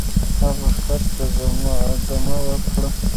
هغه خر ته دمه ورکړه.